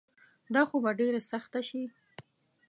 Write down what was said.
دا خو به ډیره سخته شي